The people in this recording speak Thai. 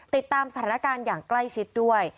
ติดตามสถานการณ์อย่างใกล้ชิดด้วย